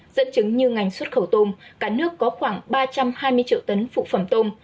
dẫn chứng như ngành xuất khẩu tôm cả nước có khoảng ba trăm hai mươi triệu tấn phụ phẩm tôm